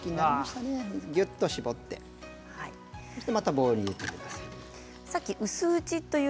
ぎゅっと絞ってまたボウルに入れてください。